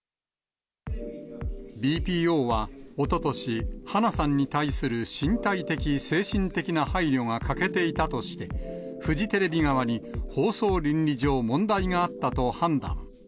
ＢＰＯはおととし、花さんに対する身体的・精神的な配慮が欠けていたとして、フジテレビ側に放送倫理上問題があったと判断。